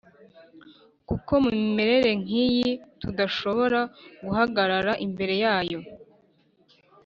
kuko mu mimerere nk iyi tudashobora guhagarara imbere yayo